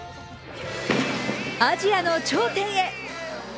アジアの頂点へ。